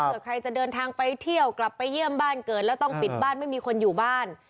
เพื่อใครจะเดินทางไปเที่ยวกลับไปเยี่ยมบ้านเกิดแล้วต้องปิดบ้านไม่มีคนอยู่บ้าน